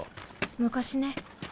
昔ね。